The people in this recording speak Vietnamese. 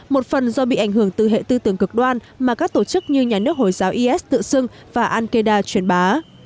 một phần do bị ảnh hưởng từ hệ tư tưởng cực đoan mà các tổ chức như nhà nước hồi giáo is tự xưng và al qaeda truyền bá